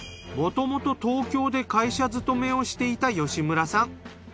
もともと東京で会社勤めをしていた吉村さん。